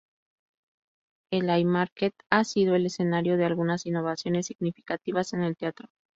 El Haymarket ha sido el escenario de algunas innovaciones significativas en el teatro.